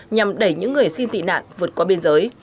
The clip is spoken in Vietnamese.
nhằm đẩy những người xin tị nạn vượt qua biên giới